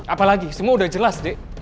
apalagi semua udah jelas dek